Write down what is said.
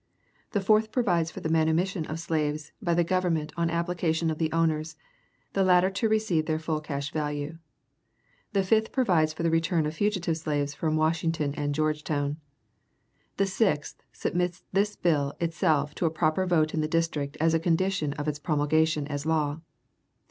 The fourth provides for the manumission of slaves by the Government on application of the owners, the latter to receive their full cash value. The fifth provides for the return of fugitive slaves from Washington and Georgetown. The sixth submits this bill itself to a popular vote in the District as a condition of its promulgation as law.